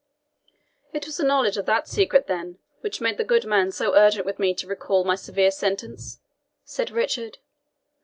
"It was the knowledge of that secret, then, which made the good man so urgent with me to recall my severe sentence?" said Richard.